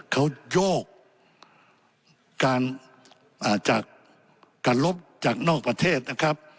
เขาโยกการจากการลบจากนอกประเทศนะครับ